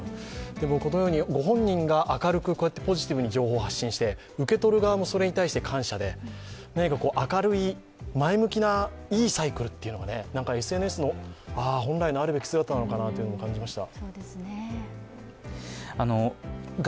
でもこのようにご本人が明るくポジティブに情報を発信してらっしゃって受け取る側もそれに対して感謝で何か明るい前向きないいサイクルっていうのがね、ＳＮＳの本来のあるべき姿なのかなと感じました。